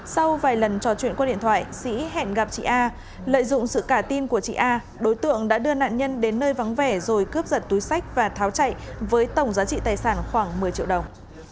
sau vài lần trò chuyện qua điện thoại sĩ hẹn gặp chị a lợi dụng sự cả tin của chị a đối tượng đã đưa nạn nhân đến nơi vắng vẻ rồi cướp giật túi sách và tháo chạy với tổng giá trị tài sản khoảng một mươi triệu đồng